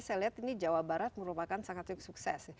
saya lihat ini jawa barat merupakan sangat sukses